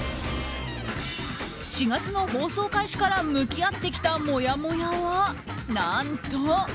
４月の放送開始から向き合ってきたもやもやは何と。